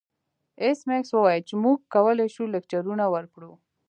ایس میکس وویل چې موږ کولی شو لکچرونه ورکړو